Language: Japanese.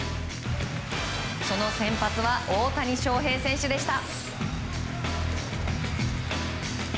その先発は大谷翔平選手でした。